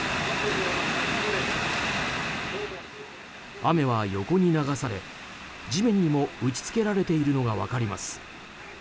雨は横に流され地面にも打ち付けられているのが分かります。